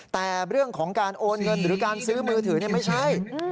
แต่เรื่องของการโอนเงินหรือการซื้อมือถือไม่ใช่